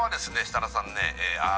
設楽さんねあ